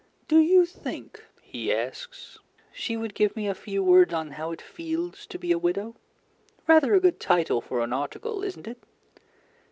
"Do you think," he asks, "she would give me a few words on 'How it Feels to be a Widow?' Rather a good title for an article, isn't it?"